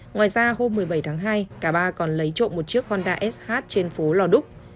ngoài ra hôm một mươi bảy tháng hai cả ba còn lấy trộm một chiếc honda sh trên phố lò đúc